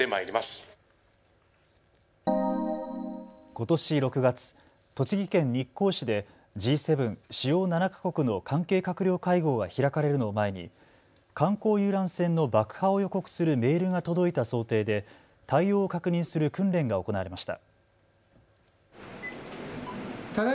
ことし６月、栃木県日光市でＧ７・主要７か国の関係閣僚会合が開かれるのを前に観光遊覧船の爆破を予告するメールが届いた想定で対応を確認する訓練が行われました。